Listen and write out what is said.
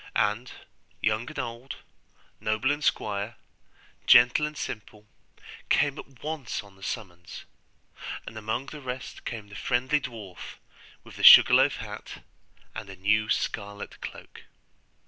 And young and old, noble and squire, gentle and simple, came at once on the summons; and among the rest came the friendly dwarf, with the sugarloaf hat, and a new scarlet cloak.